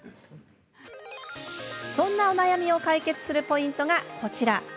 そんなお悩みを解決するポイントがこちら。